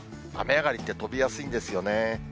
雨上がりって飛びやすいんですよね。